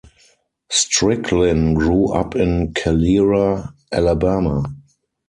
Stricklin grew up in Calera, Alabama.